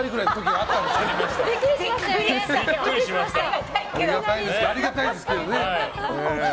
ありがたいですけどね。